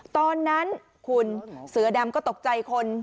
ตอนนั้นคุณเสือดำก็ตกใจคน